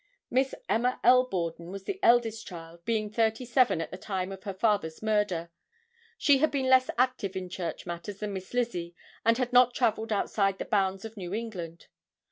Miss Emma L. Borden was the eldest child, being thirty seven at the time of her father's murder. She had been less active in church matters than Miss Lizzie and had not traveled outside the bounds of New England.